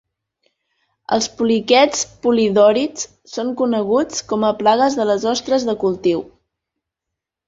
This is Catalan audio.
Els poliquets polidòrids són coneguts com a plagues de les ostres de cultiu.